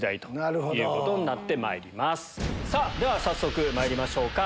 さぁでは早速まいりましょうか。